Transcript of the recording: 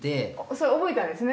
それ覚えたんですね